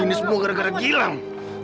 ini semua gara gara hilang